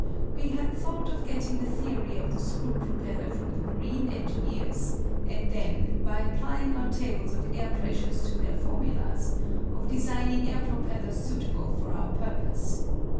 We had thought of getting the theory of the screw propeller from the marine engineers, and then, by applying our tables of air pressures to their formulas, of designing air propellers suitable for our purpose.